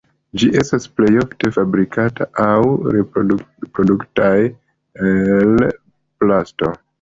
Ĝi estas plej ofte fabrikitaj aŭ produktitaj el plasto.